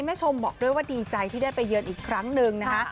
ชมบอกด้วยว่าดีใจที่ได้ไปเยือนอีกครั้งหนึ่งนะคะ